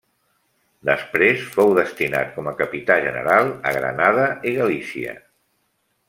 Després fou destinat com a capità general a Granada i Galícia.